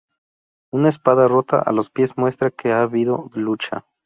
Una espada rota a los pies muestra que ha habido lucha.